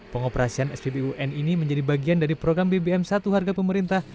pengoperasian spbun ini menjadi bagian dari program bbm satu harga pemerintah